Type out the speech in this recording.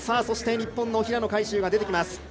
そして日本の平野海祝が出てきます。